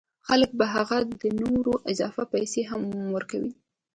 خلک به هغه ته نورې اضافه پیسې هم ورکوي